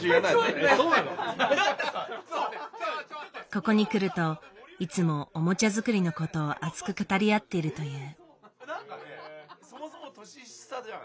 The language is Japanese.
ここに来るといつもおもちゃ作りのことを熱く語り合っているという。